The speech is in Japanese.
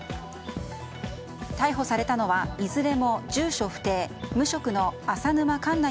逮捕されたのはいずれも住所不定・無職の浅沼かんな